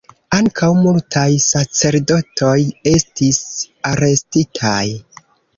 Ankaŭ multaj sacerdotoj estis arestitaj.